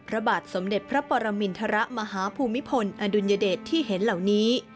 พระบาทสมเด็จพระปรมินทรมาฮภูมิพลอดุลยเดชที่เห็นเหล่านี้